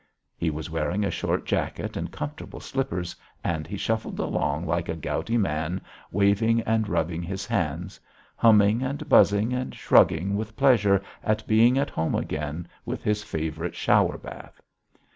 He was wearing a short jacket and comfortable slippers, and he shuffled along like a gouty man waving and rubbing his hands; humming and buzzing and shrugging with pleasure at being at home again with his favourite shower bath.